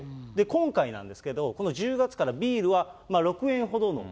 今回なんですけど、この１０月からビールは６円ほどの。